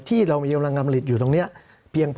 สำหรับกำลังการผลิตหน้ากากอนามัย